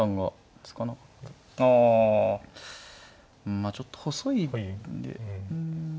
まあちょっと細いんでうん。